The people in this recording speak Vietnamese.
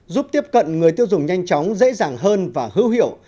giúp tiếp cận người tiêu dùng nhanh chóng dễ dàng hơn và hữu hiệu